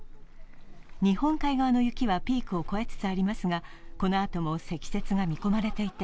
日本海側の雪はピークを越えつつありますがこのあとも積雪が見込まれていて